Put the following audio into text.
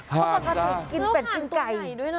เพราะถ้าถูกกินเป็ดกินไก่